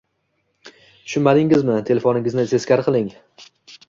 Tushunmadingizmi? Telefoningizni teskari qiling!